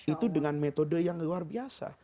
itu dengan metode yang luar biasa